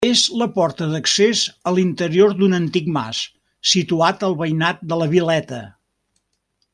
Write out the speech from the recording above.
És la porta d'accés a l'interior d'un antic mas situat al veïnat de La Vileta.